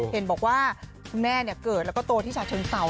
เห็นบอกว่าคุณแม่เนี่ยเกิดแล้วก็โตที่ชาชิงเซา